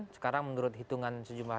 sekarang menurut hitungan sejumlah